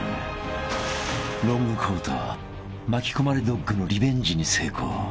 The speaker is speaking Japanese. ［ロングコート巻き込まれドッグのリベンジに成功］